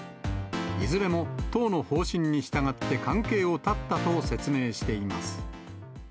いずれも党の方針に従って関係を断ったと説明しています。